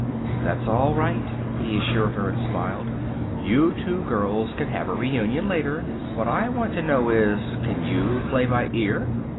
"That's all right," he assured her, and smiled. "You two girls can have a reunion later. What I want to know is can you play by ear?"